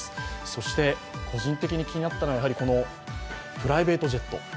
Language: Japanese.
そして個人的に気になったのはこのプライベートジェット。